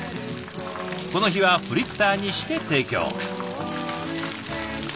この日はフリッターにして提供。